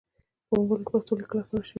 په موبایل کې پښتو لیکل اسانه شوي.